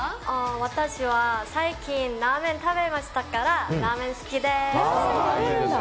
私最近ラーメン食べましたからラーメン好きです。